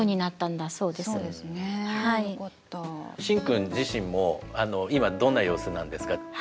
しんくん自身も今どんな様子なんですか？